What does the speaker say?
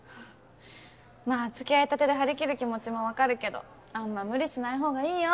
まぁ付き合いたてで張り切る気持ちも分かるけどあんま無理しない方がいいよ？